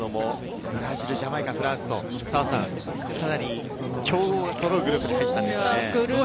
ブラジル、ジャマイカ、フランスと、澤さん、かなり強豪そろうグループに入ったんですね。